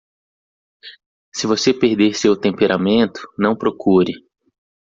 Se você perder seu temperamento,? não procure.